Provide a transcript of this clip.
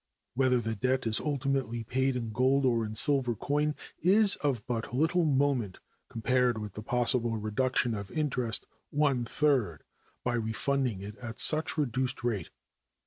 Whether the debt is ultimately paid in gold or in silver coin is of but little moment compared with the possible reduction of interest one third by refunding it at such reduced rate.